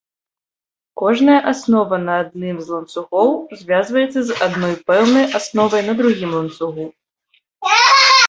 Кожная аснова на адным з ланцугоў звязваецца з адной пэўнай асновай на другім ланцугу.